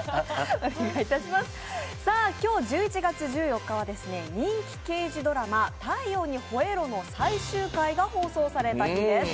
今日１１月１４日は人気刑事ドラマ「太陽にほえろ！」の最終回が放送された日です。